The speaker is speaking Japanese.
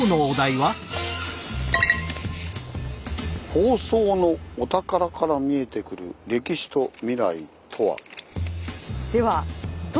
「放送のお宝から見えてくる歴史と未来とは？」。